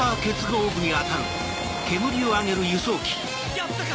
やったか？